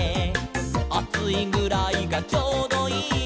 「『あついぐらいがちょうどいい』」